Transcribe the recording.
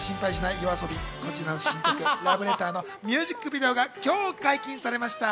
ＹＯＡＳＯＢＩの新曲『ラブレター』のミュージックビデオが今日解禁されました。